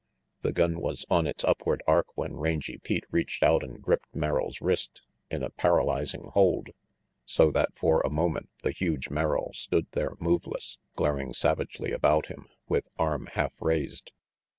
The gun was on its upward arc when Rangy Pete reached out and gripped Merrill's wrist in a para 180 RANGY PETE lyzing hold, so that for a moment the huge Merrill stood there moveless, glaring savagely about him, with arm half raised.